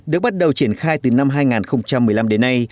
được bắt đầu triển khai từ năm hai nghìn một mươi năm đến nay